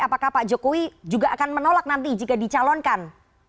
apakah pak jokowi juga akan menolak nanti jika dicalonkan